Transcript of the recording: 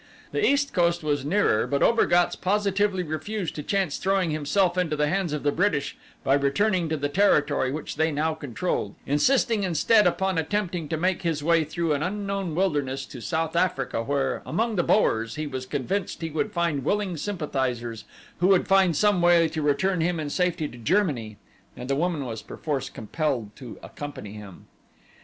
The east coast was nearer but Obergatz positively refused to chance throwing himself into the hands of the British by returning to the territory which they now controlled, insisting instead upon attempting to make his way through an unknown wilderness to South Africa where, among the Boers, he was convinced he would find willing sympathizers who would find some way to return him in safety to Germany, and the woman was perforce compelled to accompany him.